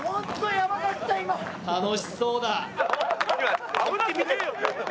楽しそうだ。